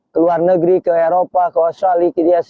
ke luar negeri ke eropa ke australia